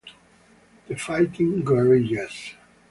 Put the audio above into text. The Fighting Guerrillas.